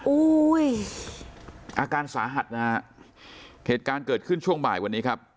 อุ้ยอาการสาหัสนะฮะเหตุการณ์เกิดขึ้นช่วงบ่ายวันนี้ครับ